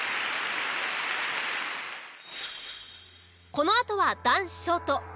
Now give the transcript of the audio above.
このあとは男子ショート。